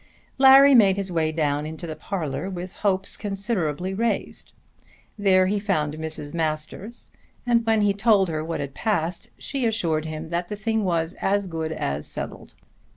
Larry made his way down into the parlour with hopes considerably raised. There he found Mrs. Masters and when he told her what had passed she assured him that the thing was as good as settled.